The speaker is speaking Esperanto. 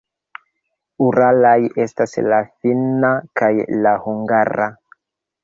Uralaj estas la finna kaj la hungara.